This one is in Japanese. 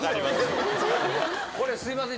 これすいません